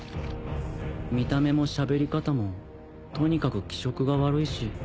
見た目もしゃべり方もとにかく気色が悪いし。